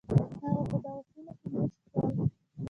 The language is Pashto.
هغوی په دغو سیمو کې مېشت شول.